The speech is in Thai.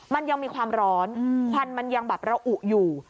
มันยังมีความร้อนควันมันยังแบบระอุอยู่